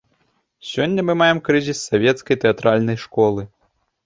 Сёння мы маем крызіс савецкай тэатральнай школы.